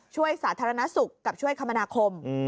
สาธารณสุขกับช่วยคมนาคม